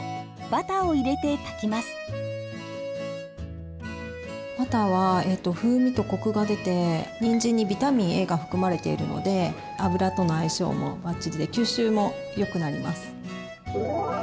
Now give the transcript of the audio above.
バターは風味とコクが出てにんじんにビタミンＡが含まれているので油との相性もバッチリで吸収もよくなります。